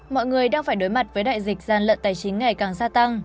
mọi người đang phải đối mặt với đại dịch gian lận tài chính ngày càng gia tăng